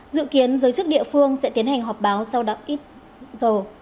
dự kiến giới chức địa phương sẽ tiến hành họp báo sau đó ít giờ